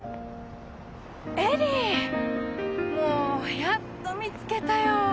もうやっと見つけたよ。